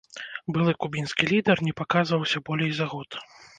Былы кубінскі лідар не паказваўся болей за год.